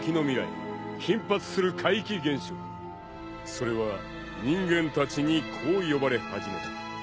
［それは人間たちにこう呼ばれ始めた］